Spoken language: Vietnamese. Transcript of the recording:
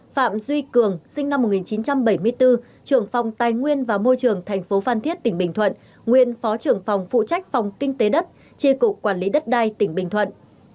sáu phạm duy cường sinh năm một nghìn chín trăm bảy mươi bốn trưởng phòng tài nguyên và môi trường tp phan thiết tỉnh bình thuận nguyên phó trưởng phòng phụ trách phòng kinh tế đất tri cục quản lý đất đai tỉnh bình thuận